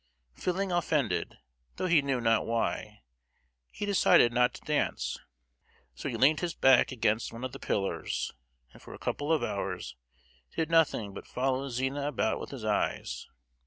Feeling offended—though he knew not why—he decided not to dance. So he leant his back against one of the pillars, and for a couple of hours did nothing but follow Zina about with his eyes.